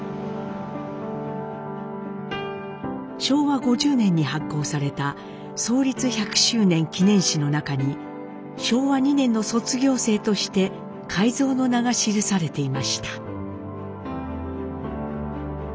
昭和５０年に発行された創立１００周年記念誌の中に昭和２年の卒業生として海蔵の名が記されていました。